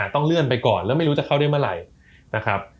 ต้องเลื่อนไปก่อนแล้วไม่รู้จะเข้าได้เมื่อไหร่นะครับ